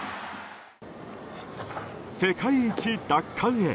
世界一奪還へ。